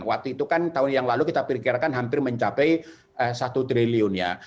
waktu itu kan tahun yang lalu kita perkirakan hampir mencapai satu triliun ya